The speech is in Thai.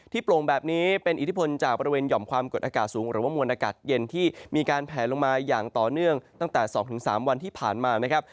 โปร่งแบบนี้เป็นอิทธิพลจากบริเวณหย่อมความกดอากาศสูงหรือว่ามวลอากาศเย็นที่มีการแผลลงมาอย่างต่อเนื่องตั้งแต่๒๓วันที่ผ่านมานะครับ